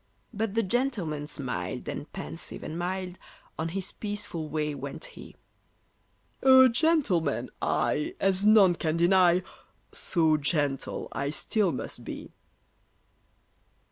But the gentleman smiled, and pensive and mild, On his peaceful way went he: "A gentleman I, as none can deny, So gentle I still must be!"